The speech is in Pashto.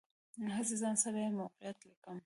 هسې ځان سره یې موقعیت لیکم.